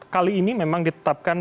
kali ini memang ditetapkan